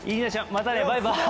またねバイバーイ。